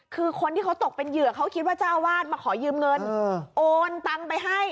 คือคนที่เขาตกเป็นเหยื่อเขาคิดว่าเจ้าอาวาสมาขอยืมเงินโอนตังไปให้